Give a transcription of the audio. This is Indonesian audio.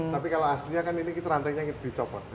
tapi kalau aslinya kan ini rantainya dicopot